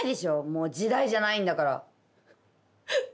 もう時代じゃないんだから。